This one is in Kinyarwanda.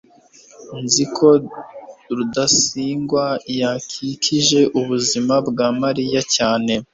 nzi ko rudasingwa yakijije ubuzima bwa mariya cyane